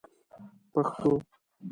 پشتو